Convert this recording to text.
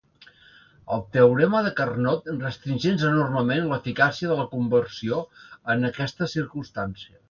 El teorema de Carnot restringeix enormement l'eficàcia de la conversió en aquestes circumstàncies.